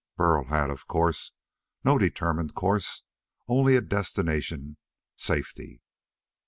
Burl had, of course, no determined course, only a destination safety.